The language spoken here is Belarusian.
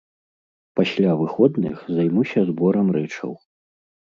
Пасля выходных займуся зборам рэчаў.